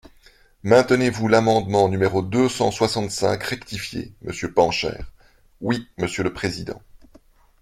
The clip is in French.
Maintenez-vous l’amendement numéro deux cent soixante-cinq rectifié, monsieur Pancher ? Oui, monsieur le président.